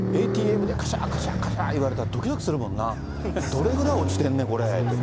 ＡＴＭでかしゃかしゃいわれたらどきどきするもんな、どれぐらい落ちてんねん、これって。